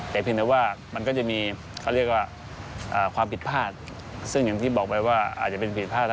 แต่เพียงแต่ว่ามันก็จะมีความผิดพลาดซึ่งอย่างที่บอกไปว่าอาจจะเป็นผิดพลาด